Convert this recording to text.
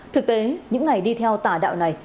thực tế những ngày đi theo tà đạo này